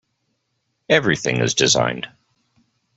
Everything is designed.